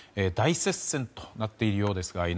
大接戦となっているようですが